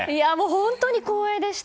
本当に光栄でした。